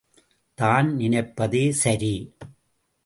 தான் நினைப்பதே சரி!